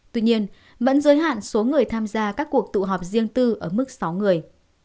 tuy nhiên vẫn giới hạn số người tham gia các cuộc tụ họp riêng tư ở mức sáu người